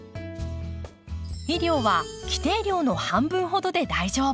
肥料は規定量の半分ほどで大丈夫。